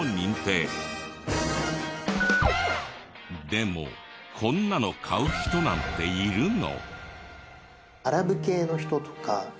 でもこんなの買う人なんているの？